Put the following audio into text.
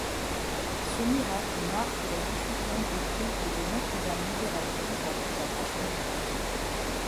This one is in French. Ce miracle marque la diffusion de culte de Notre-Dame libératrice dans toute la Franche-Comté.